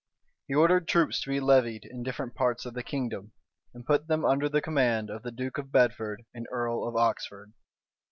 He ordered troops to be levied in different parts of the kingdom, and put them under the command of the duke of Bedford and earl of Oxford.